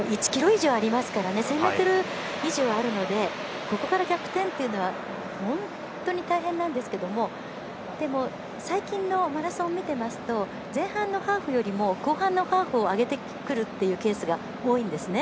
１ｋｍ以上あるのでここから逆転というのは本当に大変なんですけどでも最近のマラソンを見ていますと前半のハーフよりも後半のハーフを上げてくるケースが多いんですね。